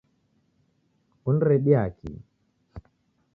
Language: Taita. Kuniredia kii?